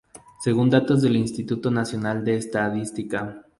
Según datos del Instituto Nacional de Estadística.